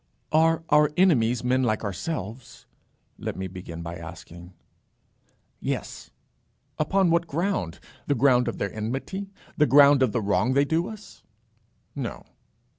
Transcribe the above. "Are our enemies men like ourselves?" let me begin by asking. "Yes." "Upon what ground? The ground of their enmity? The ground of the wrong they do us?" "No."